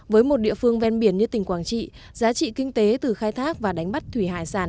với một địa phương ven biển như tỉnh quảng trị giá trị kinh tế từ khai thác và đánh bắt thủy hải sản